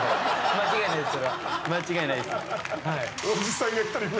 間違いないです。